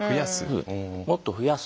もっと増やす。